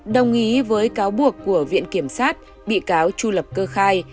đồng ý với cáo buộc của viện kiểm sát bị cáo chu lập cơ khai